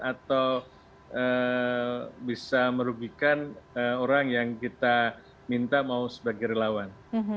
atau bisa merugikan orang yang kita minta mau sebagai relawan